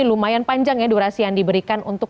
lumayan panjang ya durasi yang diberikan untuk